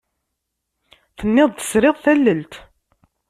Tenniḍ-d tesriḍ tallelt.